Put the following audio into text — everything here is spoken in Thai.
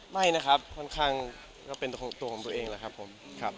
ไม่นะครับค่อนข้างก็เป็นตัวของตัวของตัวเองแหละครับผม